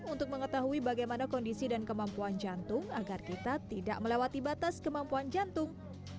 untuk mengetahui bagaimana kondisi dan kemampuan jantung agar kita tidak melewati batas kemampuan jantung